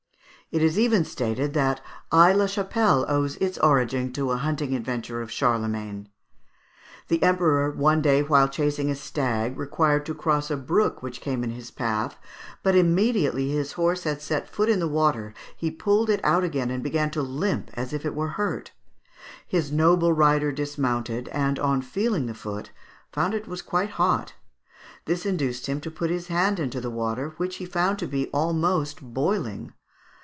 It is even stated that Aix la Chapelle owes its origin to a hunting adventure of Charlemagne. The Emperor one day while chasing a stag required to cross a brook which came in his path, but immediately his horse had set his foot in the water he pulled it out again and began to limp as if it were hurt. His noble rider dismounted, and on feeling the foot found it was quite hot. This induced him to put his hand into the water, which he found to be almost boiling.